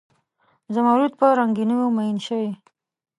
زمرود په رنګینیو میین شوي